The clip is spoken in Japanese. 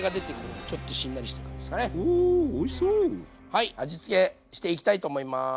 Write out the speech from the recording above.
はい味付けしていきたいと思います。